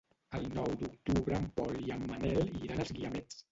El nou d'octubre en Pol i en Manel iran als Guiamets.